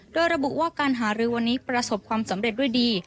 โดยระบุว่าการหารือวันนี้ประสบความสำเร็จด้วยดี